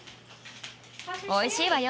おいしいわよ。